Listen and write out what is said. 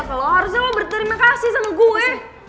kalo harusnya lo berterima kasih sama gue